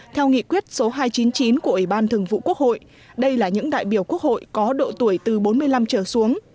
theo nghị quyết số hai trăm chín mươi chín của ủy ban thường vụ quốc hội đây là những đại biểu quốc hội có độ tuổi từ bốn mươi năm trở xuống